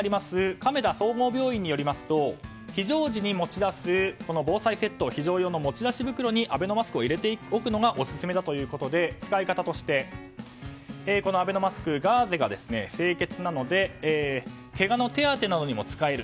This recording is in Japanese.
亀田総合病院によりますと非常時に持ち出す防災セット非常用の持ち出し袋にアベノマスクを入れておくのがオススメだということで使い方としてアベノマスク、ガーゼが清潔なので、けがの手当てなどにも使える。